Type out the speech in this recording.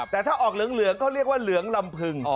แต่ถ้าออกเหลืองเขาเรียกว่าเหลืองลำพึง